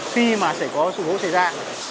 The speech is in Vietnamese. khi mà sẽ có sự hỗn hợp xảy ra